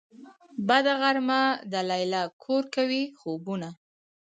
بده غرمه ده ليلا کور کوي خوبونه